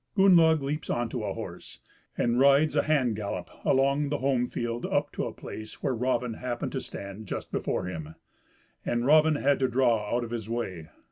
Gunnlaug leaps on to a horse, and rides a hand gallop along the homefield up to a place where Raven happened to stand just before him; and Raven had to draw out of his way.